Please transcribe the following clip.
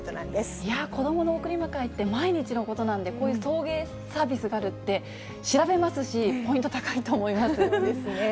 いや、子どもの送り迎えって、毎日のことなんで、こういう送迎サービスがあるって調べますし、ポイント高いと思いですね。